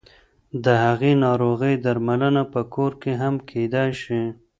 د هغې ناروغۍ درملنه په کور کې هم کېدای شي.